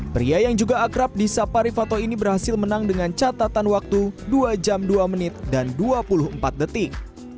pria yang juga akrab di sapa rifato ini berhasil menang dengan catatan waktu dua jam dua menit dan dua puluh empat detik